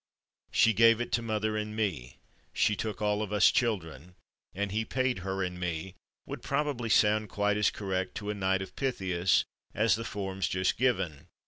"She gave it to mother and /me/," "she took all of /us/ children" and "he paid her and /me/" would probably sound quite as correct, to a Knight of Pythias, as the forms just given.